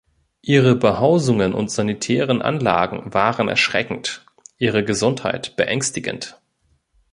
Ihre Behausungen und sanitären Anlagen waren erschreckend, ihre Gesundheit beängstigend.